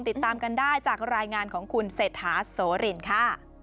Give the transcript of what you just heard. ติดตามกันได้จากรายงานของคุณเศรษฐาโสรินค่ะ